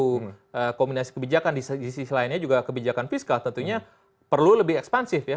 karena kombinasi kebijakan di sisi lainnya juga kebijakan fiskal tentunya perlu lebih ekspansif ya